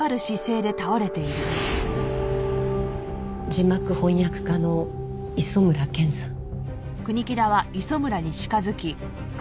字幕翻訳家の磯村健さん。